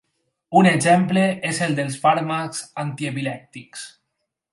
Un exemple és el dels fàrmacs antiepilèptics.